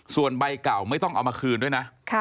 ส่วนใบเก่าไม่ต้องเอามาคืนด้วยนะ